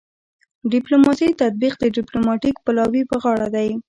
د ډیپلوماسي تطبیق د ډیپلوماتیک پلاوي په غاړه دی